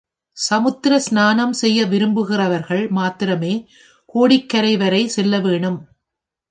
சமுத்திர ஸ்நானம் செய்ய விரும்புவர்கள் மாத்திரமே கோடிக்கரைவரை செல்லவேணும்.